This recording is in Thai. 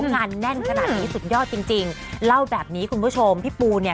งานแน่นขนาดนี้สุดยอดจริงจริงเล่าแบบนี้คุณผู้ชมพี่ปูเนี่ย